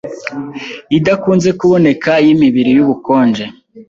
idakunze kuboneka yimibiri yubukonje